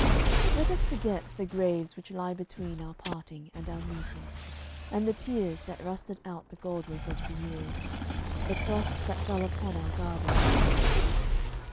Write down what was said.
Let us forget the graves which lie between Our parting and our meeting, and the tears That rusted out the gold work of the years, The frosts that fell upon our gardens green.